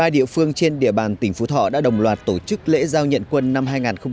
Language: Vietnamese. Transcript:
một mươi ba địa phương trên địa bàn tỉnh phú thọ đã đồng loạt tổ chức lễ giao nhận quân năm hai nghìn một mươi bảy